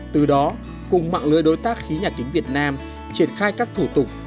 từ đó cùng mạng lưới đối tác khí nhà kính việt nam triển khai các thủ tục